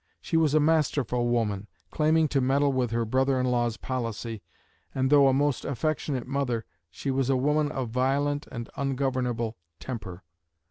She was a masterful woman, claiming to meddle with her brother in law's policy, and though a most affectionate mother she was a woman of violent and ungovernable temper.